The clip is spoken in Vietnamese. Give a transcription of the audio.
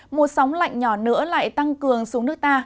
một sóng lạnh nhỏ nữa lại tăng cường xuống nước ta